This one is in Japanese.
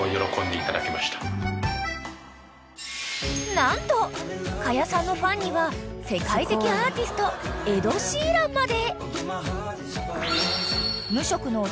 ［何と可夜さんのファンには世界的アーティストエド・シーランまで］